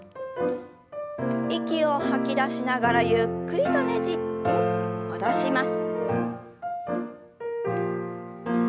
息を吐き出しながらゆっくりとねじって戻します。